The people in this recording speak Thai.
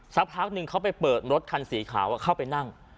สักพักหนึ่งเขาไปเปิดรถคันสีขาวเข้าไปนั่ง